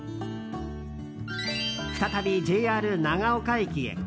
再びＪＲ長岡駅へ。